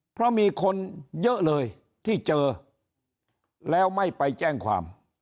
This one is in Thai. เพราะมีคนเยอะเลยที่เจอแล้วไม่ไปแจ้งความ